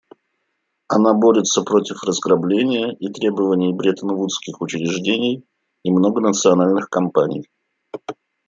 Она борется против разграбления и требований бреттон-вудских учреждений и многонациональных компаний.